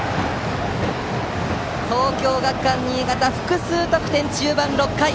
東京学館新潟、複数得点中盤、６回！